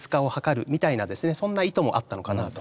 そんな意図もあったのかなと。